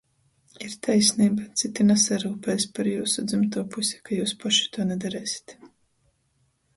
Ir taisneiba — cyti nasaryupēs par jiusu dzymtū pusi, ka jius poši tuo nadarēsit.